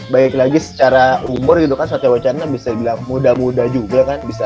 baik lagi secara umur gitu kan sate wacana bisa dibilang muda muda juga kan bisa